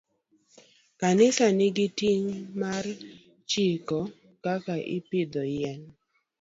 Kanisa nigi ting' mar chiko kaka ipidho yien